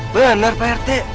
bener pak rt